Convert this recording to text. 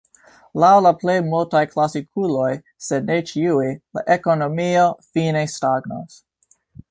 Laŭ la plej multaj klasikuloj, sed ne ĉiuj, la ekonomio fine stagnos.